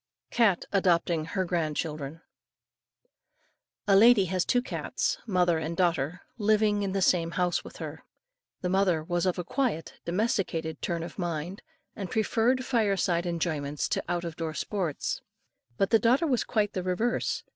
CAT ADOPTING HER GRAND CHILDREN. A lady had two cats, mother and daughter, living in the same house with her. The mother was of a quiet, domesticated turn of mind, and preferred fire side enjoyments to out of door sports; but the daughter was quite the reverse.